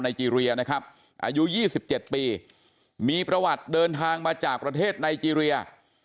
เจรียนะครับอายุ๒๗ปีมีประวัติเดินทางมาจากประเทศไนเจรีย